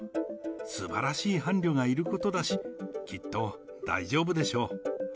すばらしい伴侶がいることだし、きっと大丈夫でしょう。